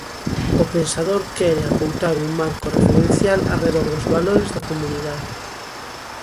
O pensador quere acoutar un marco referencial arredor dos valores da comunidade.